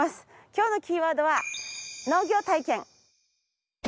今日のキーワードは農業体験。